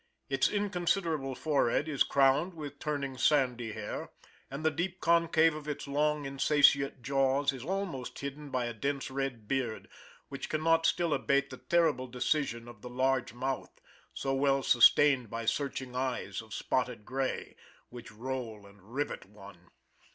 Its inconsiderable forehead is crowned with turning sandy hair, and the deep concave of its long insatiate jaws is almost hidden by a dense red beard, which can not still abate the terrible decision of the large mouth, so well sustained by searching eyes of spotted gray, which roll and rivet one.